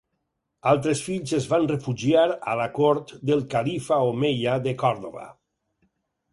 Altres fills es van refugiar a la cort del califa omeia de Còrdova.